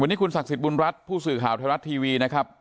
วันนี้คุณศักดิ์สิทธิบุญรัฐผู้สื่อข่าวไทยรัฐทีวีนะครับ